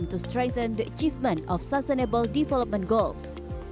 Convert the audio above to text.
dan untuk memperkuat pencapaian tujuan pembangunan berkelanjutan